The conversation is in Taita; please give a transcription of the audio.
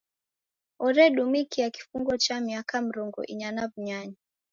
Oredumikia kifungo cha miaka mrongo inya na w'unyanya.